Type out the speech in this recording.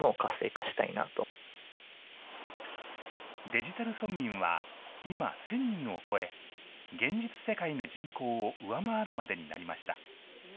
デジタル村民は今、１０００人を超え、現実世界の人口を上回るまでになりました。